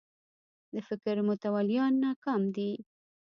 د فکر متولیان ناکام دي